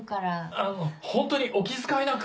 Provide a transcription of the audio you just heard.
あのホントにお気遣いなく。